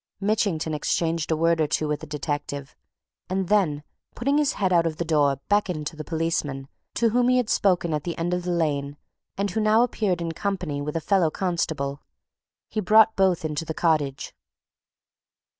Mitchington exchanged a word or two with the detective, and then, putting his head out of the door beckoned to the policeman to whom he had spoken at the end of the lane and who now appeared in company with a fellow constable. He brought both into the cottage.